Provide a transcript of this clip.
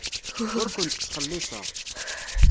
Ur kent-ttxelliṣeɣ.